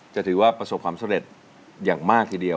จะถือว่าประสบความสำเร็จอย่างมากทีเดียว